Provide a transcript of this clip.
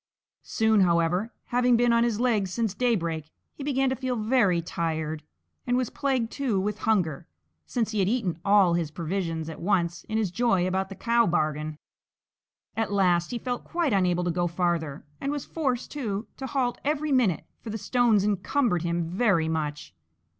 Soon, however, having been on his legs since daybreak, he began to feel very tired, and was plagued too with hunger, since he had eaten all his provision at once in his joy about the cow bargain. At last he felt quite unable to go farther, and was forced, too, to halt every minute for the stones encumbered him very much.